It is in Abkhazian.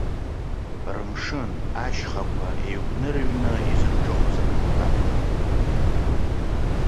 Рымшын, ашьхақәа еигәнырыҩны изырҿыхоз акаԥкаԥқәа.